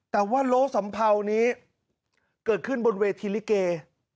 แต่ว่าโล้สัมเภานี้เกิดขึ้นบนเวทีลิเก